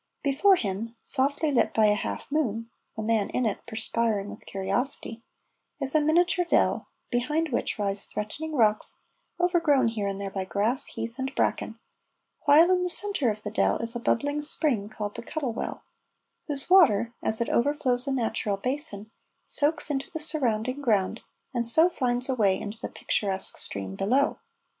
Before him, softly lit by a half moon (the man in it perspiring with curiosity), is a miniature dell, behind which rise threatening rocks, overgrown here and there by grass, heath, and bracken, while in the centre of the dell is a bubbling spring called the Cuttle Well, whose water, as it overflows a natural basin, soaks into the surrounding ground and so finds a way into the picturesque stream below.